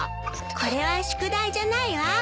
これは宿題じゃないわ。